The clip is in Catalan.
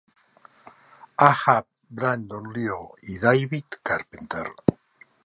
A. Happ, Brandon Lió i David Carpenter.